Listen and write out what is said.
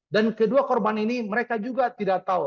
dan kedua korban ini mereka juga tidak tahu